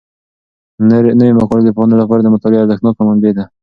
نوي مقالې د پوهانو لپاره د مطالعې ارزښتناکه منبع ده.